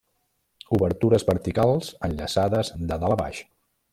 Obertures verticals enllaçades de dalt a baix.